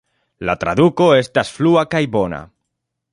La traduko estas flua kaj bona.